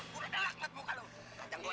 bunuh dalam akmatmu kalau